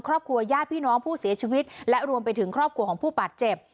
ครอบครัวญาติพี่น้องผู้เสียชีวิตและรวมไปถึงครอบครัวของผู้บาดเจ็บ